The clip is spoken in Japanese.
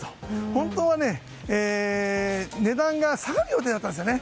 本当は値段が下がる予定だったんですよね。